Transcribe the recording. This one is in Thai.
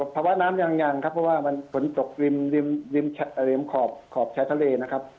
ภาวะน้ำยังครับเพราะว่ามันฝนตกริมขอบชายทะเลนะครับ